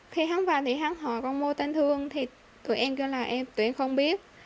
khi hắn vào thì hắn hỏi con mô tên thương thì tụi em kêu là em tụi em không biết